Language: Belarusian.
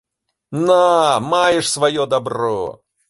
На, маеш сваё дабро!